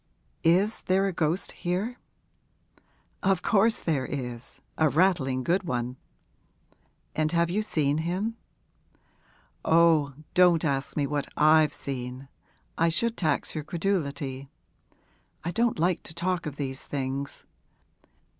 Is there a ghost here?' 'Of course there is a rattling good one.' 'And have you seen him?' 'Oh, don't ask me what I've seen I should tax your credulity. I don't like to talk of these things.